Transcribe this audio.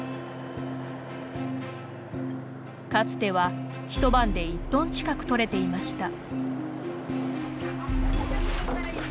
かつては一晩で１トン近く取れていました。